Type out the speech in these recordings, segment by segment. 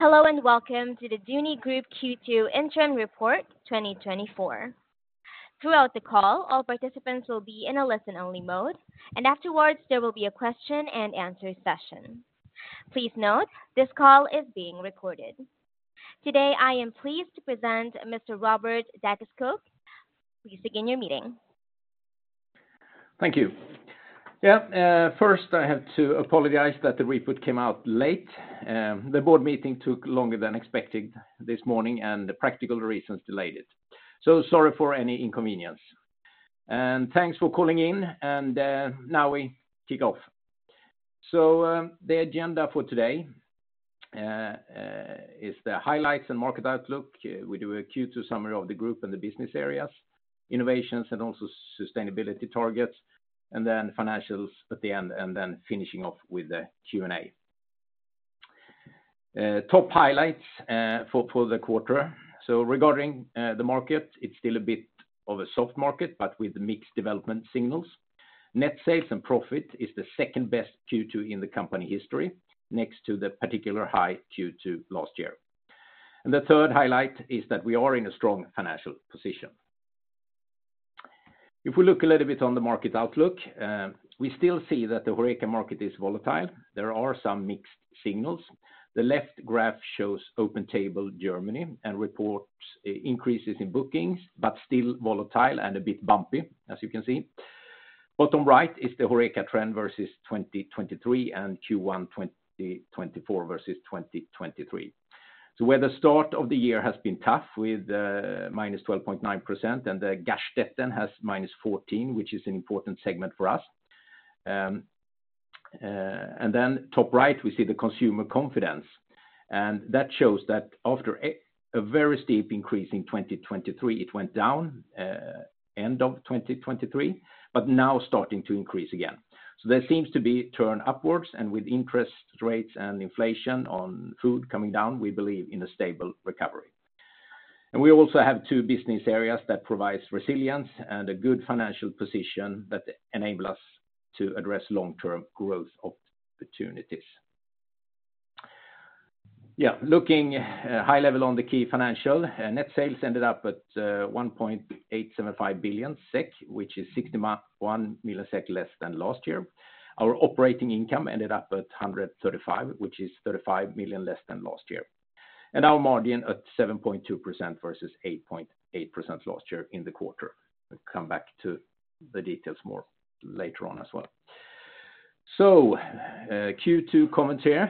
Hello, and welcome to the Duni Group Q2 Interim Report 2024. Throughout the call, all participants will be in a listen-only mode, and afterwards, there will be a question and answer session. Please note, this call is being recorded. Today, I am pleased to present Mr. Robert Dackeskog. Please begin your meeting. Thank you. Yeah, first, I have to apologize that the report came out late. The board meeting took longer than expected this morning, and the practical reasons delayed it. So sorry for any inconvenience. And thanks for calling in, and now we kick off. So, the agenda for today is the highlights and market outlook. We do a Q2 summary of the group and the business areas, innovations, and also sustainability targets, and then financials at the end, and then finishing off with the Q&A. Top highlights for the quarter. So regarding the market, it's still a bit of a soft market, but with mixed development signals. Net sales and profit is the second best Q2 in the company history, next to the particular high Q2 last year. And the third highlight is that we are in a strong financial position. If we look a little bit on the market outlook, we still see that the HoReCa market is volatile. There are some mixed signals. The left graph shows OpenTable Germany, and reports increases in bookings, but still volatile and a bit bumpy, as you can see. Bottom right is the HoReCa trend versus 2023, and Q1 2024 versus 2023. So where the start of the year has been tough with minus 12.9%, and the Gaststätten has minus 14%, which is an important segment for us. And then top right, we see the consumer confidence, and that shows that after a very steep increase in 2023, it went down end of 2023, but now starting to increase again. So there seems to be a turn upwards, and with interest rates and inflation on food coming down, we believe in a stable recovery. And we also have two business areas that provides resilience and a good financial position that enable us to address long-term growth opportunities. Yeah, looking high level on the key financial net sales ended up at 1.875 billion SEK, which is 61 million SEK less than last year. Our operating income ended up at 135 million, which is 35 million less than last year. And our margin at 7.2% versus 8.8% last year in the quarter. We'll come back to the details more later on as well. So, Q2 comments here,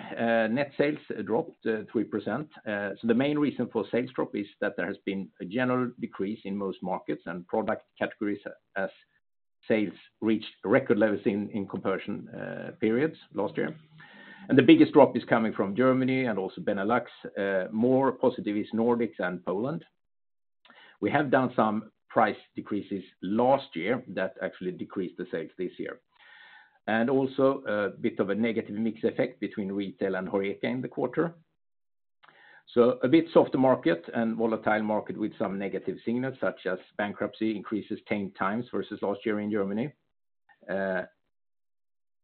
net sales dropped 3%. So the main reason for sales drop is that there has been a general decrease in most markets and product categories as sales reached record levels in comparison periods last year. The biggest drop is coming from Germany and also Benelux. More positive is Nordics and Poland. We have done some price decreases last year that actually decreased the sales this year. Also, a bit of a negative mix effect between retail and HoReCa in the quarter. So a bit softer market and volatile market with some negative signals, such as bankruptcy increases 10 times versus last year in Germany.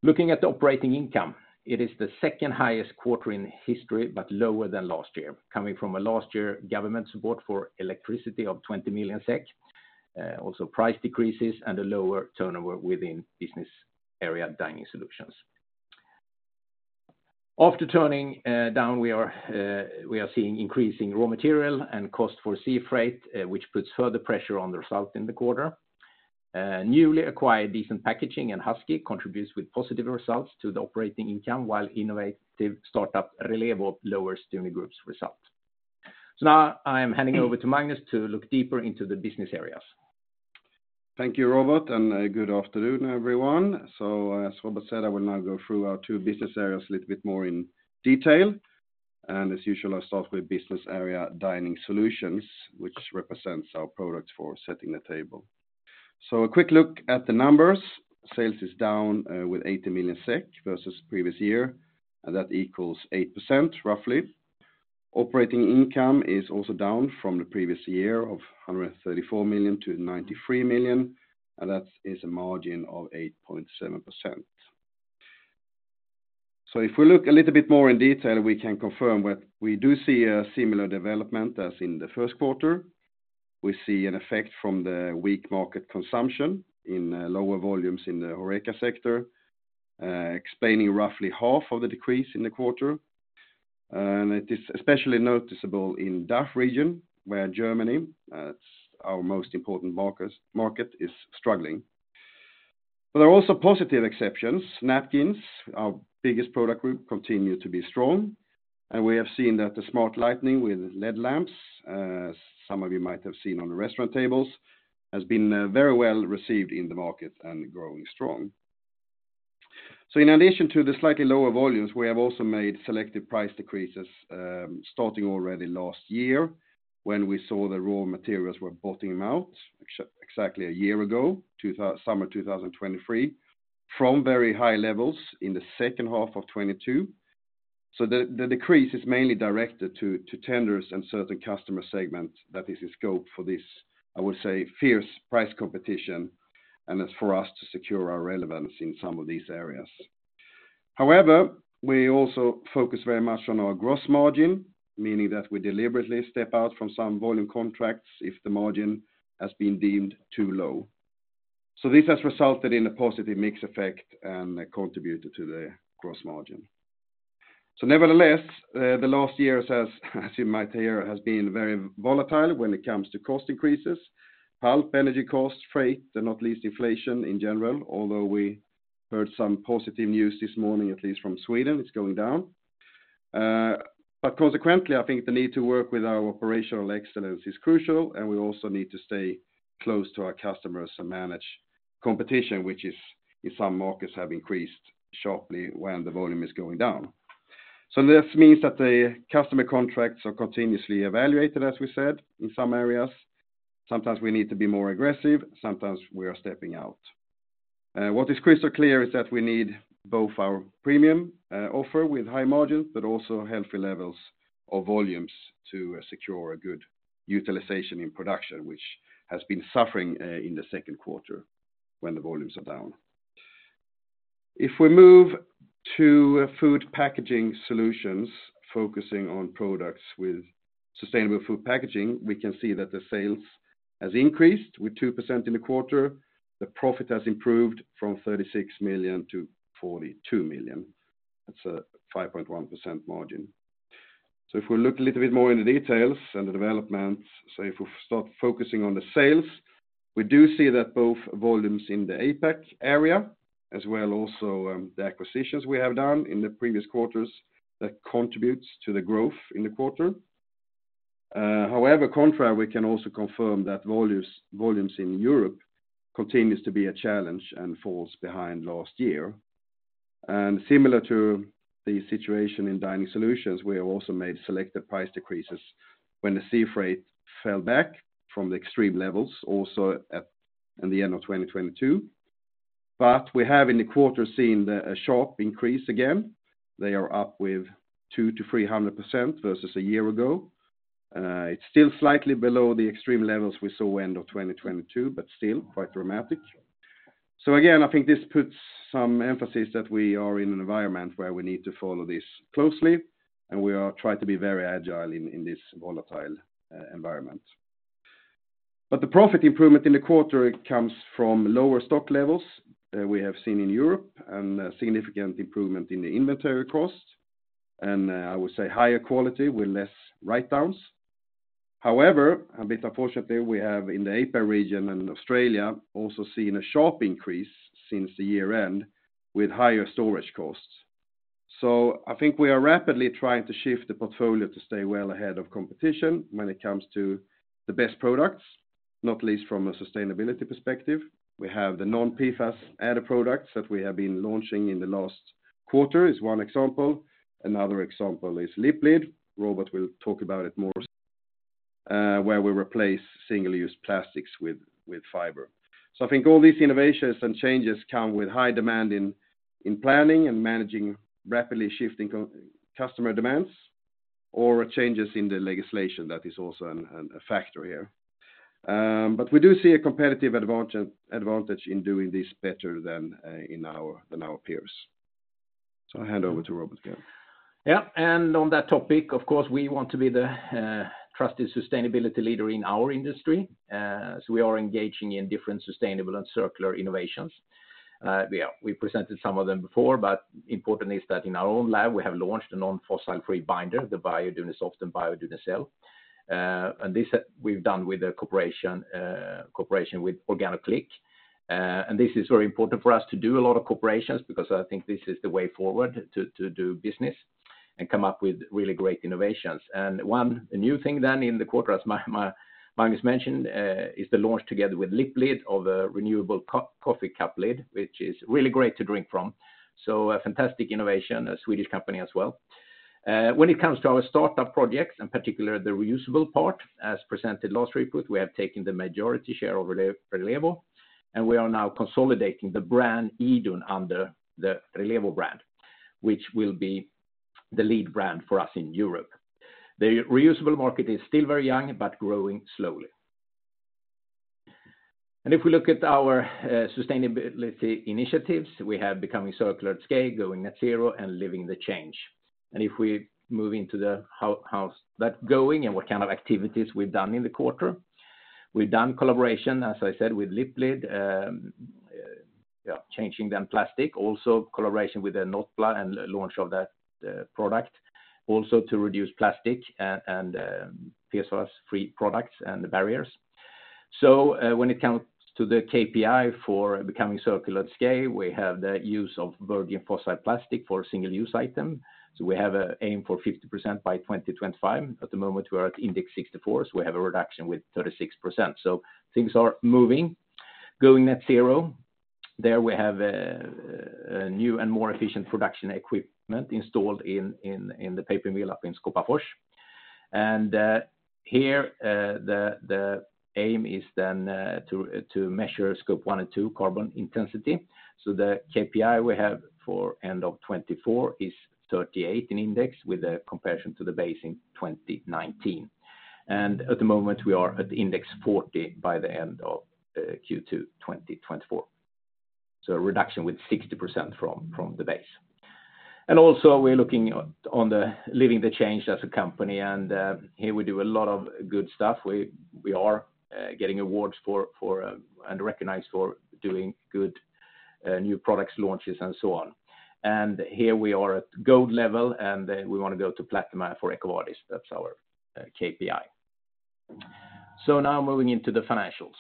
Looking at the operating income, it is the second highest quarter in history, but lower than last year, coming from a last year government support for electricity of 20 million SEK. Also price decreases and a lower turnover within business area dining solutions. After turning down, we are seeing increasing raw material and cost for sea freight, which puts further pressure on the result in the quarter. Newly acquired Decent Packaging and Huskee contributes with positive results to the operating income, while innovative startup Relevo lowers Duni Group's result. So now I am handing over to Magnus to look deeper into the business areas. Thank you, Robert, and good afternoon, everyone. So as Robert said, I will now go through our two business areas a little bit more in detail. And as usual, I'll start with business area dining solutions, which represents our products for setting the table. So a quick look at the numbers. Sales is down with 80 million SEK versus previous year, and that equals 8%, roughly. Operating income is also down from the previous year of 134 million to 93 million, and that is a margin of 8.7%. So if we look a little bit more in detail, we can confirm we do see a similar development as in the first quarter. We see an effect from the weak market consumption in lower volumes in the HoReCa sector, explaining roughly half of the decrease in the quarter. It is especially noticeable in DACH region, where Germany, it's our most important market, is struggling. But there are also positive exceptions. Napkins, our biggest product group, continue to be strong, and we have seen that the smart lighting with LED lamps, some of you might have seen on the restaurant tables, has been very well received in the market and growing strong. So in addition to the slightly lower volumes, we have also made selective price decreases, starting already last year, when we saw the raw materials were bottoming out exactly a year ago, summer 2023, from very high levels in the second half of 2022. So the decrease is mainly directed to tenders and certain customer segments that is in scope for this, I would say, fierce price competition. It's for us to secure our relevance in some of these areas. However, we also focus very much on our gross margin, meaning that we deliberately step out from some volume contracts if the margin has been deemed too low. So this has resulted in a positive mix effect and contributed to the gross margin. So nevertheless, the last years, you might hear, has been very volatile when it comes to cost increases, pulp, energy costs, freight, and not least inflation in general, although we heard some positive news this morning, at least from Sweden, it's going down. But consequently, I think the need to work with our operational excellence is crucial, and we also need to stay close to our customers and manage competition, which is, in some markets, have increased sharply when the volume is going down. So this means that the customer contracts are continuously evaluated, as we said, in some areas. Sometimes we need to be more aggressive, sometimes we are stepping out. What is crystal clear is that we need both our premium offer with high margins, but also healthy levels of volumes to secure a good utilization in production, which has been suffering in the second quarter when the volumes are down. If we move to food packaging solutions, focusing on products with sustainable food packaging, we can see that the sales has increased with 2% in the quarter. The profit has improved from 36 million to 42 million. That's a 5.1% margin. So if we look a little bit more in the details and the developments, so if we start focusing on the sales, we do see that both volumes in the APAC area, as well also, the acquisitions we have done in the previous quarters, that contributes to the growth in the quarter. However, contrary, we can also confirm that volumes in Europe continues to be a challenge and falls behind last year. And similar to the situation in dining solutions, we have also made selective price decreases when the sea freight fell back from the extreme levels, also at, in the end of 2022. But we have, in the quarter, seen the, a sharp increase again. They are up with 200%-300% versus a year ago. It's still slightly below the extreme levels we saw end of 2022, but still quite dramatic. So again, I think this puts some emphasis that we are in an environment where we need to follow this closely, and we are trying to be very agile in this volatile environment. But the profit improvement in the quarter, it comes from lower stock levels we have seen in Europe, and a significant improvement in the inventory costs, and I would say higher quality with less write-downs. However, a bit unfortunately, we have in the APAC region and Australia, also seen a sharp increase since the year end with higher storage costs. So I think we are rapidly trying to shift the portfolio to stay well ahead of competition when it comes to the best products, not least from a sustainability perspective. We have the non-PFAS added products that we have been launching in the last quarter, is one example. Another example is Liplid. Robert will talk about it more, where we replace single-use plastics with fiber. So I think all these innovations and changes come with high demand in planning and managing rapidly shifting customer demands or changes in the legislation. That is also a factor here. But we do see a competitive advantage in doing this better than our peers. So I'll hand over to Robert again. Yeah, and on that topic, of course, we want to be the trusted sustainability leader in our industry. So we are engaging in different sustainable and circular innovations. We presented some of them before, but important is that in our own lab, we have launched a non-fossil free binder, the Bio Dunisoft and Bio Dunicel. And this, we've done with a cooperation with OrganoClick. And this is very important for us to do a lot of collaborations because I think this is the way forward to do business and come up with really great innovations. And one new thing then in the quarter, as Magnus mentioned, is the launch together with Liplid of a renewable coffee cup lid, which is really great to drink from. So a fantastic innovation, a Swedish company as well. When it comes to our startup projects, in particular, the reusable part, as presented last report, we have taken the majority share over the Relevo, and we are now consolidating the brand Idun under the Relevo brand, which will be the lead brand for us in Europe. The reusable market is still very young, but growing slowly. And if we look at our sustainability initiatives, we have Becoming Circular at Scale, Going Net Zero, and Living the Change. And if we move into the how, how's that going and what kind of activities we've done in the quarter, we've done collaboration, as I said, with Liplid, changing the plastic. Also, collaboration with the Notpla and launch of that product, also to reduce plastic and PFAS-free products and the barriers. So, when it comes to the KPI for Becoming Circular at Scale, we have the use of virgin fossil plastic for single-use item. So we have an aim for 50% by 2025. At the moment, we are at Index 64, so we have a reduction with 36%. So things are moving. Going Net Zero, there we have a new and more efficient production equipment installed in the paper mill up in Skoghall. And here, the aim is then to measure Scope 1 and 2 carbon intensity. So the KPI we have for end of 2024 is 38 in Index, with a comparison to the base in 2019. And at the moment, we are at Index 40 by the end of Q2 2024. So a reduction with 60% from the base. Also, we're looking on living the change as a company, and here we do a lot of good stuff. We are getting awards and recognized for doing good, new products launches, and so on. And here we are at gold level, and we wanna go to platinum for EcoVadis. That's our KPI. So now moving into the financials.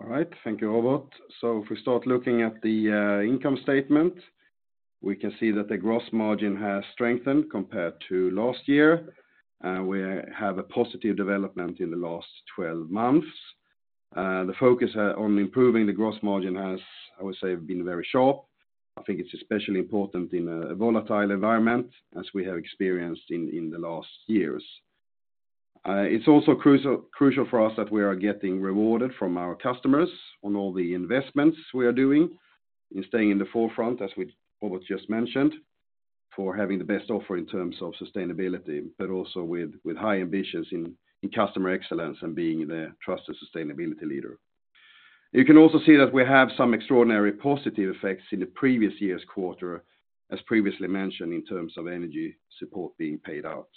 All right. Thank you, Robert. So if we start looking at the income statement, we can see that the gross margin has strengthened compared to last year. We have a positive development in the last 12 months. The focus on improving the gross margin has, I would say, been very sharp. I think it's especially important in a volatile environment, as we have experienced in the last years. It's also crucial, crucial for us that we are getting rewarded from our customers on all the investments we are doing in staying in the forefront, as Robert just mentioned, for having the best offer in terms of sustainability, but also with high ambitions in customer excellence and being the trusted sustainability leader. You can also see that we have some extraordinary positive effects in the previous year's quarter, as previously mentioned, in terms of energy support being paid out.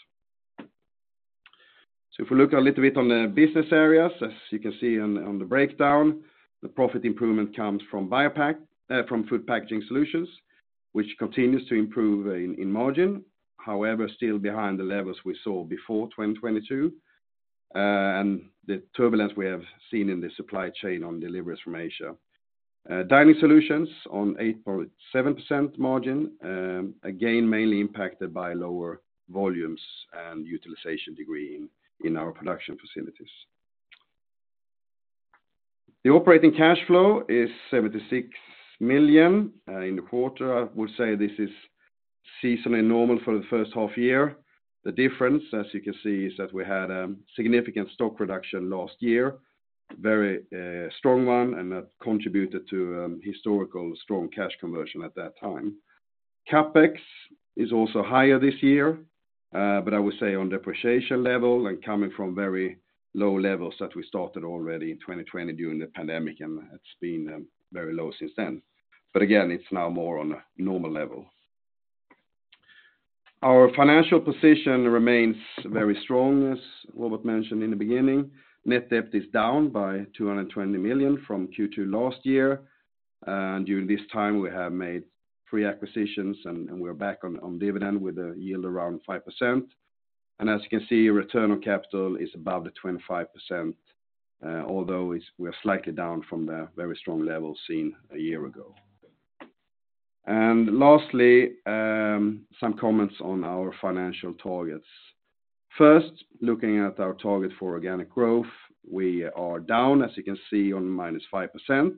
So if we look a little bit on the business areas, as you can see on, on the breakdown, the profit improvement comes from BioPak, from food packaging solutions, which continues to improve in, in margin. However, still behind the levels we saw before 2022, and the turbulence we have seen in the supply chain on deliveries from Asia. Dining solutions on 8.7% margin, again, mainly impacted by lower volumes and utilization degree in, in our production facilities. The operating cash flow is 76 million in the quarter. I would say this is seasonally normal for the first half year. The difference, as you can see, is that we had a significant stock reduction last year, very strong one, and that contributed to historical strong cash conversion at that time. CapEx is also higher this year, but I would say on depreciation level and coming from very low levels that we started already in 2020 during the pandemic, and it's been very low since then. But again, it's now more on a normal level. Our financial position remains very strong, as Robert mentioned in the beginning. Net debt is down by 220 million from Q2 last year. And during this time, we have made three acquisitions, and we're back on dividend with a yield around 5%. As you can see, return on capital is above the 25%, although we're slightly down from the very strong level seen a year ago. Lastly, some comments on our financial targets. First, looking at our target for organic growth, we are down, as you can see, on -5%.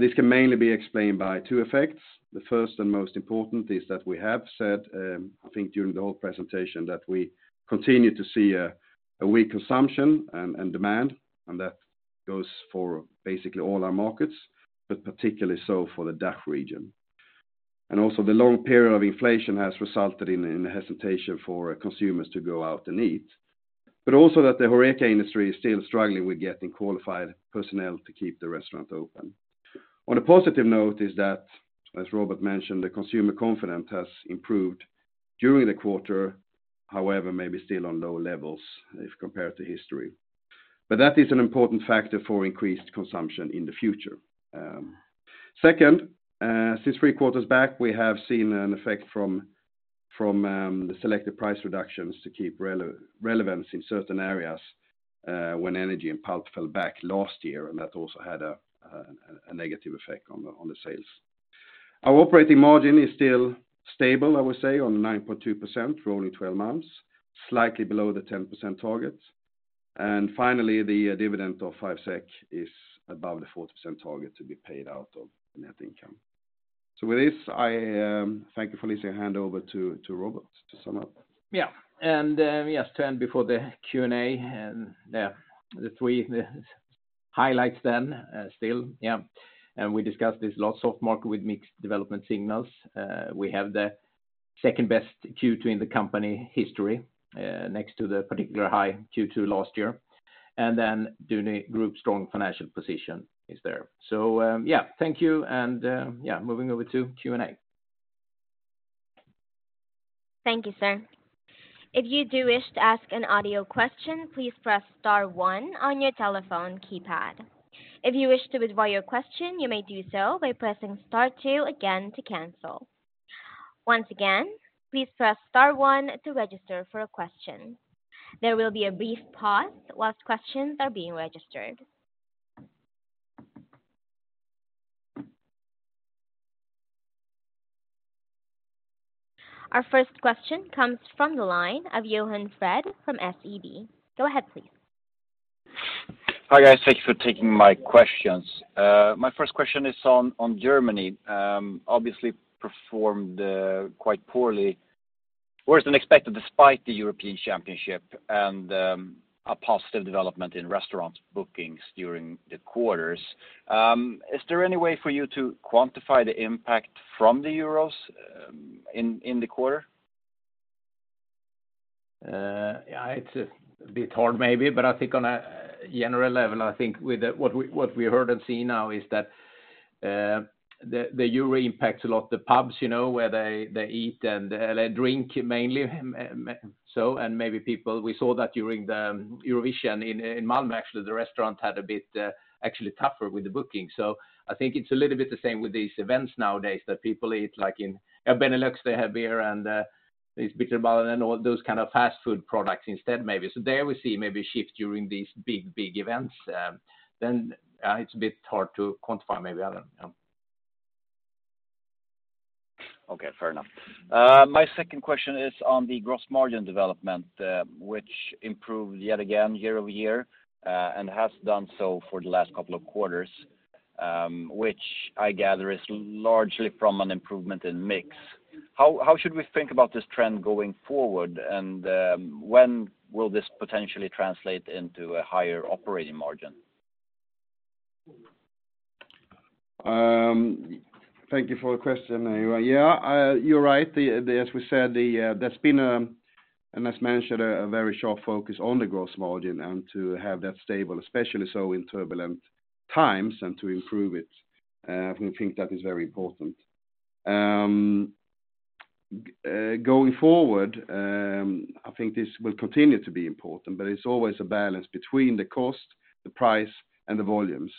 This can mainly be explained by two effects. The first and most important is that we have said, I think during the whole presentation, that we continue to see a weak consumption and demand, and that goes for basically all our markets, but particularly so for the DACH region. Also, the long period of inflation has resulted in a hesitation for consumers to go out and eat. But also that the HoReCa industry is still struggling with getting qualified personnel to keep the restaurant open. On a positive note is that, as Robert mentioned, the consumer confidence has improved during the quarter, however, maybe still on low levels if compared to history. But that is an important factor for increased consumption in the future. Second, since three quarters back, we have seen an effect from the selected price reductions to keep relevance in certain areas, when energy and pulp fell back last year, and that also had a negative effect on the sales. Our operating margin is still stable, I would say, on 9.2% growing twelve months, slightly below the 10% target. And finally, the dividend of 5 SEK is above the 40% target to be paid out of net income. So with this, I thank you for listening. I hand over to Robert to sum up. Yeah, and, yes, to end before the Q&A, and, the three highlights then, still, yeah, and we discussed this, lots of market with mixed development signals. We have the second best Q2 in the company history, next to the particular high Q2 last year, and then Duni Group's strong financial position is there. So, yeah, thank you, and, yeah, moving over to Q&A. Thank you, sir. If you do wish to ask an audio question, please press star one on your telephone keypad. If you wish to withdraw your question, you may do so by pressing star two again to cancel. Once again, please press star one to register for a question. There will be a brief pause while questions are being registered. Our first question comes from the line of Johan Fred from SEB. Go ahead, please. Hi, guys. Thank you for taking my questions. My first question is on Germany. Obviously performed quite poorly, worse than expected, despite the European Championship and a positive development in restaurants bookings during the quarters. Is there any way for you to quantify the impact from the Euros in the quarter?... Yeah, it's a bit hard maybe, but I think on a general level, I think with what we heard and see now is that the Euro impacts a lot the pubs, you know, where they eat and they drink mainly. So maybe people, we saw that during the Eurovision in Malmö, actually, the restaurant had a bit actually tougher with the booking. So I think it's a little bit the same with these events nowadays, that people eat, like in at Benelux, they have beer and these bitterballen and all those kind of fast food products instead, maybe. So there we see maybe a shift during these big events. Then, it's a bit hard to quantify, maybe, I don't know. Okay, fair enough. My second question is on the gross margin development, which improved yet again year-over-year, and has done so for the last couple of quarters, which I gather is largely from an improvement in mix. How, how should we think about this trend going forward? And, when will this potentially translate into a higher operating margin? Thank you for the question, anyway. Yeah, you're right. As we said, there's been, and as mentioned, a very sharp focus on the gross margin, and to have that stable, especially so in turbulent times, and to improve it, we think that is very important. Going forward, I think this will continue to be important, but it's always a balance between the cost, the price, and the volumes,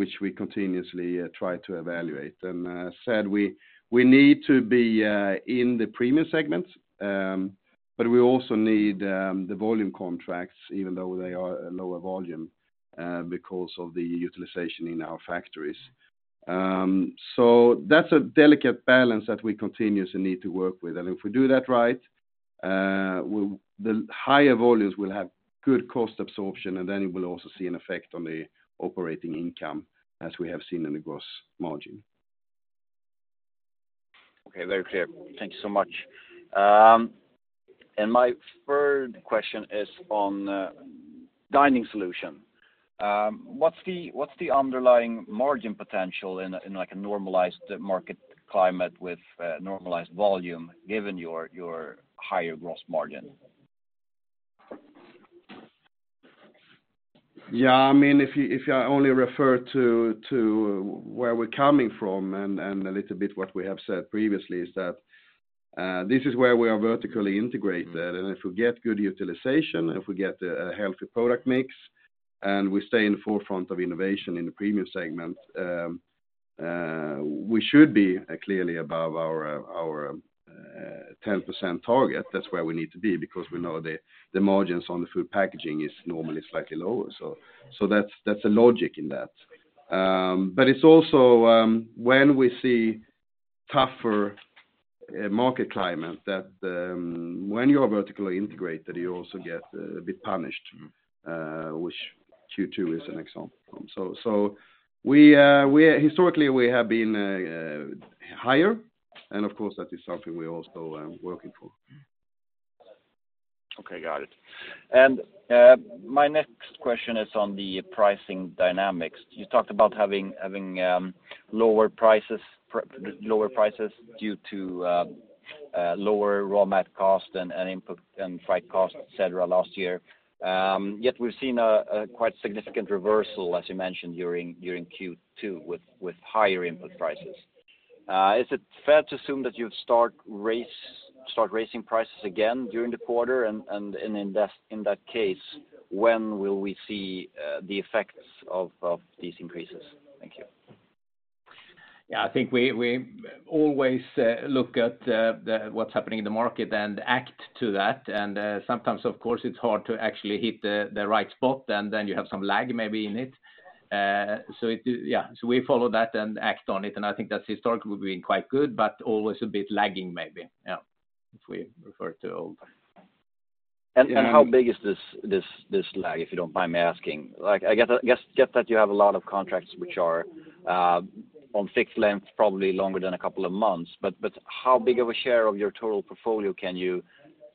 which we continuously try to evaluate. And as I said, we need to be in the premium segment, but we also need the volume contracts, even though they are a lower volume, because of the utilization in our factories. So that's a delicate balance that we continuously need to work with, and if we do that right, the higher volumes will have good cost absorption, and then you will also see an effect on the operating income as we have seen in the gross margin. Okay, very clear. Thank you so much. And my third question is on Dining Solution. What's the underlying margin potential in a, in, like, a normalized market climate with normalized volume, given your higher gross margin? Yeah, I mean, if you only refer to where we're coming from, and a little bit what we have said previously, is that this is where we are vertically integrated. And if we get good utilization, if we get a healthy product mix, and we stay in the forefront of innovation in the premium segment, we should be clearly above our 10% target. That's where we need to be, because we know the margins on the food packaging is normally slightly lower. So that's the logic in that. But it's also when we see tougher market climate, that when you are vertically integrated, you also get a bit punished, which Q2 is an example. So, historically, we have been higher, and of course, that is something we're also working for. Okay, got it. And my next question is on the pricing dynamics. You talked about having lower prices due to lower raw mat cost and input and freight costs, et cetera, last year. Yet we've seen a quite significant reversal, as you mentioned, during Q2, with higher input prices. Is it fair to assume that you've started raising prices again during the quarter? And in that case, when will we see the effects of these increases? Thank you. Yeah, I think we always look at what's happening in the market and act to that. And sometimes, of course, it's hard to actually hit the right spot, and then you have some lag maybe in it. Yeah, so we follow that and act on it, and I think that's historically been quite good, but always a bit lagging, maybe. Yeah, if we refer to old- And how big is this lag, if you don't mind me asking? Like, I get that, get that you have a lot of contracts which are on fixed length, probably longer than a couple of months. But how big of a share of your total portfolio can you,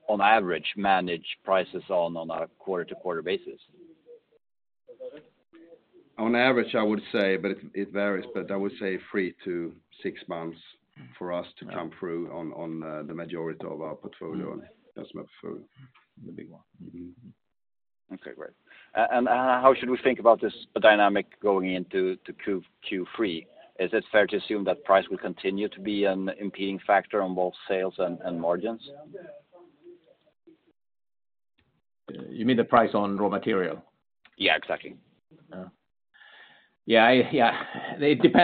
on average, manage prices on a quarter-to-quarter basis? On average, I would say, but it varies, but I would say 3-6 months for us to come through on the majority of our portfolio. That's my for the big one. Okay, great. And how should we think about this dynamic going into Q3? Is it fair to assume that price will continue to be an impeding factor on both sales and margins? You mean the price on raw material? Yeah, exactly. Yeah. Yeah,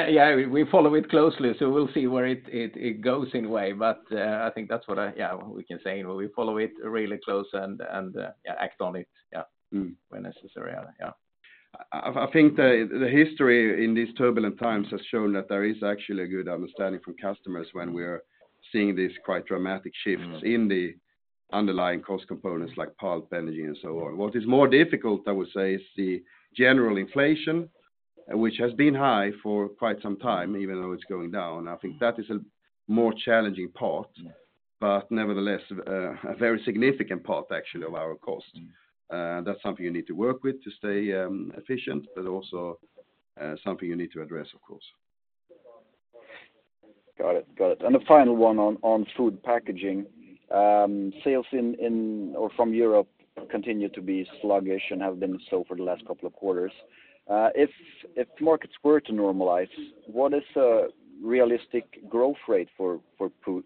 yeah, we follow it closely, so we'll see where it goes in a way. But, I think that's what I... Yeah, we can say, well, we follow it really close and, yeah, act on it, yeah. Mm. -when necessary. Yeah. I think the history in these turbulent times has shown that there is actually a good understanding from customers when we're seeing these quite dramatic shifts- Mm. in the underlying cost components, like pulp, energy, and so on. What is more difficult, I would say, is the general inflation, which has been high for quite some time, even though it's going down. I think that is a more challenging part Yeah. -but nevertheless, a very significant part, actually, of our cost. Mm. That's something you need to work with to stay efficient, but also something you need to address, of course. Got it. Got it. The final one on food packaging. Sales in or from Europe continue to be sluggish and have been so for the last couple of quarters. If markets were to normalize, what is a realistic growth rate for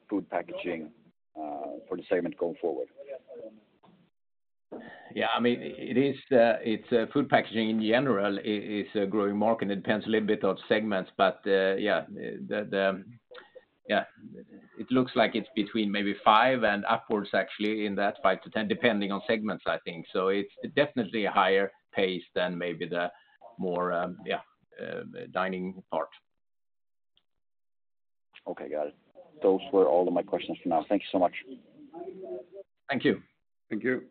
food packaging for the segment going forward? Yeah, I mean, it is, it's... Food packaging, in general, is a growing market, and it depends a little bit on segments. But, yeah, it looks like it's between maybe 5 and upwards, actually, in that 5-10, depending on segments, I think. So it's definitely a higher pace than maybe the more, yeah, dining part. Okay, got it. Those were all of my questions for now. Thank you so much. Thank you. Thank you.